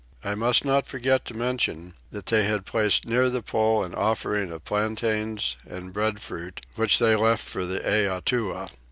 I must not forget to mention that they had placed near the pole an offering of plantains and breadfruit, which they left for the Eatua.